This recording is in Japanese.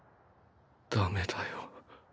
ダメだよ